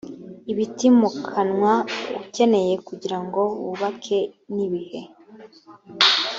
ibitimukanwa ukeneye kugirango wubake nibihe